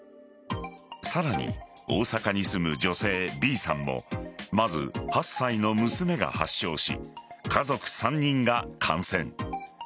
さらに、大阪に住む女性Ｂさんもまず、８歳の娘が発症し家族３人が感染。